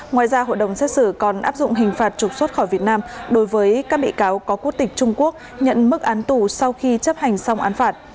ngoài ra hội đồng xét xử còn áp dụng hình phạt trục xuất khỏi việt nam đối với các bị cáo có quốc tịch trung quốc nhận mức án tù sau khi chấp hành xong án phạt